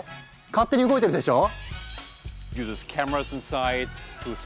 勝手に動いてるでしょ？